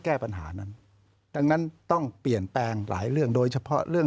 แก้ปัญหานั้นดังนั้นต้องเปลี่ยนแปลงหลายเรื่องโดยเฉพาะเรื่อง